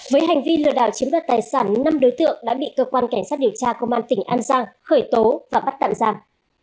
với hành vi lừa đảo chiếm đoạt tài sản năm đối tượng đã bị cơ quan cảnh sát điều tra công an tỉnh an giang khởi tố và bắt tạm giam